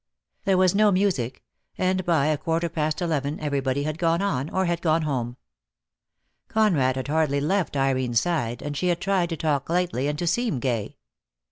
There was no music, and by a quarter past eleven everybody had gone on, or had gone home. Conrad had hardly left Irene's side, and she had tried to talk lightly and to seem gay.